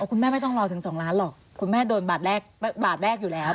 คุณแม่ไม่ต้องรอถึง๒ล้านหรอกคุณแม่โดนบาทแรกบาทแรกอยู่แล้ว